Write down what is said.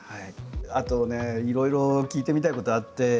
あとねいろいろ聞いてみたいことあって。